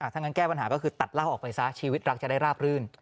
ถ้างั้นแก้ปัญหาก็คือตัดเหล้าออกไปซะชีวิตรักจะได้ราบรื่น